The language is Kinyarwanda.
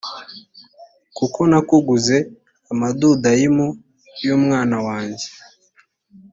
kuko nakuguze amadudayimu y umwana wanjye